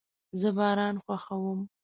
زه باران خوښوم